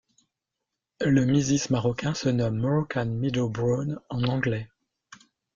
Le Misis marocain se nomme Moroccan Meadow Brown en anglais.